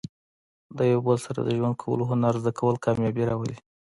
د یو بل سره د ژوند کولو هنر زده کول، کامیابي راولي.